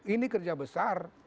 ini kerja besar